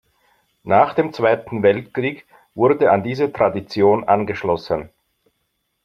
Nach dem Zweiten Weltkrieg wurde an diese Tradition angeschlossen.